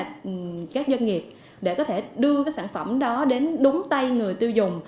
giúp đỡ các doanh nghiệp để có thể đưa cái sản phẩm đó đến đúng tay người tiêu dùng